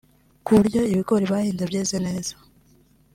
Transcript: ku buryo ibigori bahinze byeze neza